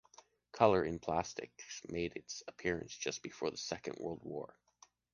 Color in plastics made its appearance just before the Second World War.